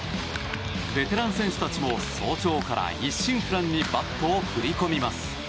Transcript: ベテラン選手たちも早朝から一心不乱にバットを振り込みます。